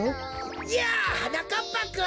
やあはなかっぱくん。